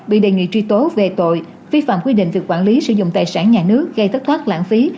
bị đề nghị truy tố về tội vi phạm quy định về quản lý sử dụng tài sản nhà nước gây thất thoát lãng phí